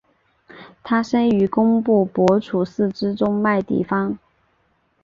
他生于工布博楚寺之中麦地方。